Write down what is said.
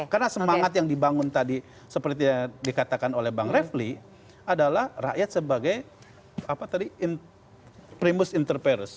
karena semangat yang dibangun tadi seperti yang dikatakan oleh bang refli adalah rakyat sebagai primus interperus